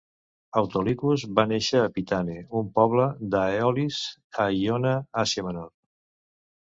Autolycus va néixer a Pitane, un poble d"Aeolis a Ionia, Asia Menor.